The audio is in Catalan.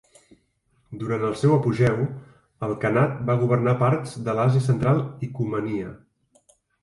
Durant el seu apogeu, el khanat va governar parts de l'Àsia Central i Cumania.